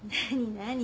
何？